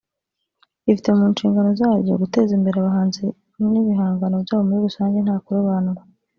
rifite mu nshingano zaryo guteza imbere abahanzi n’ibihangano byabo muri rusange nta kurobanura